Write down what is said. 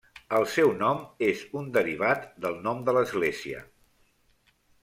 El seu nom és un derivat del nom de l'església.